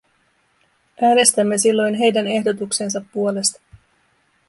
Äänestämme silloin heidän ehdotuksensa puolesta.